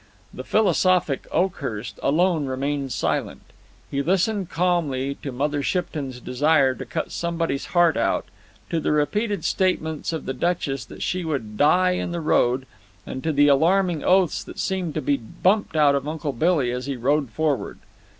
The philosophic Oakhurst alone remained silent. He listened calmly to Mother Shipton's desire to cut somebody's heart out, to the repeated statements of the Duchess that she would die in the road, and to the alarming oaths that seemed to be bumped out of Uncle Billy as he rode forward.